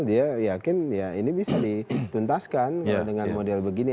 dia yakin ya ini bisa dituntaskan dengan model begini